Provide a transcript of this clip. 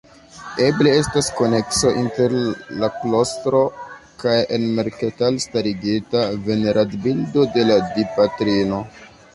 Eble estas konekso inter la klostro kaj en Merketal starigita veneradbildo de la Dipatrino.